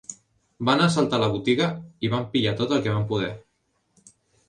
Van assaltar la botiga i van pillar tot el que van poder.